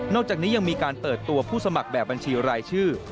จากนี้ยังมีการเปิดตัวผู้สมัครแบบบัญชีรายชื่อ